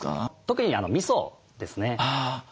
特にみそですね。